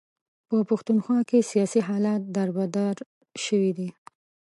په پښتونخوا کې سیاسي حالات در بدر شوي دي.